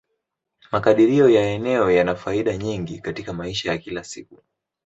Makadirio ya eneo yana faida nyingi katika maisha ya kila siku.